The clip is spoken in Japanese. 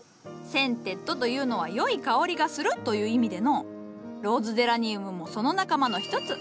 センテッドというのは「よい香りがする」という意味でのうローズゼラニウムもその仲間の一つ。